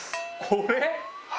これ？